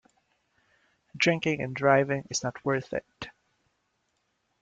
Drinking and driving is not worth it.